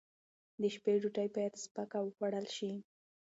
د شپې ډوډۍ باید سپکه وخوړل شي.